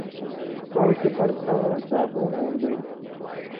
کو ڇہ پرہ تاؤں نہ څابُون اَیں بئ تھی،